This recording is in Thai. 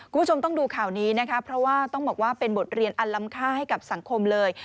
คุณผู้ชมต้องดูข่าวนี้นะคะเพราะว่าต้องบอกว่าเป็นบทเรียนอันลำค่าให้กับสังคมเลย